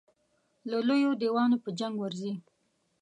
د لویو دېوانو په جنګ ورځي.